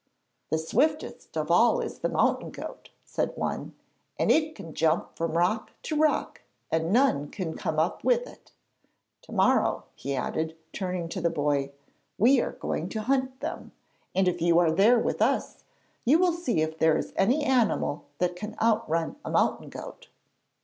'The swiftest of all is the mountain goat,' said one; 'and it can jump from rock to rock, and none can come up with it. To morrow,' he added, turning to the boy, 'we are going to hunt them, and if you are there with us you will see if there is any animal that can outrun a mountain goat.'